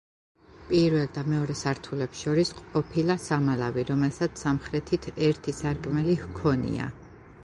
პირველ და მეორე სართულებს შორის ყოფილა სამალავი, რომელსაც სამხრეთით ერთი სარკმელი ჰქონია.